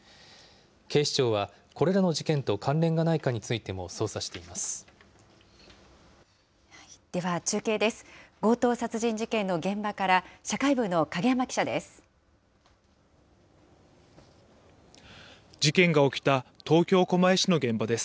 警視庁は、これらの事件と関連がないかについても捜査しています。